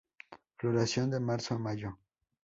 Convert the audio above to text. Floración de marzo a mayo.